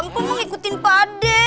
kok mau ngikutin pade